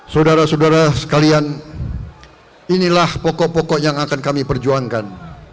saudara saudara sekalian inilah pokok pokok yang akan kami perjuangkan